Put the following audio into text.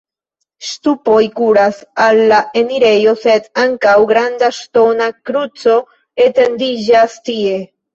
Ŝtupoj kuras al la enirejo, sed ankaŭ granda ŝtona kruco etendiĝas tie.